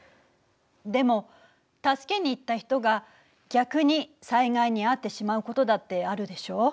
でも助けに行った人が逆に災害に遭ってしまうことだってあるでしょ？